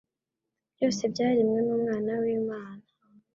Byose byaremwe n’Umwana w’Imana.